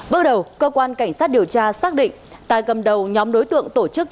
bước đầu cơ quan cảnh sát điều tra xác định tài cầm đầu nhóm đối tượng tổ chức